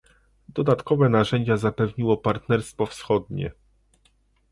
Dodatkowe narzędzia zapewniło Partnerstwo Wschodnie